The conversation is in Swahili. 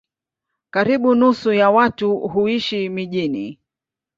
Karibu nusu ya watu huishi mijini.